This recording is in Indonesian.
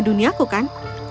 dunia aku kan